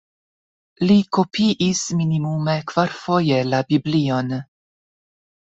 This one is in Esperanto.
Li kopiis minimume kvarfoje la Biblion.